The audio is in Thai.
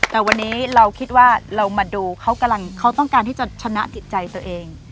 แต่วันนี้เราคิดว่าเรามาดูเขากำลังเขาต้องการที่จะชนะจิตใจตัวเอง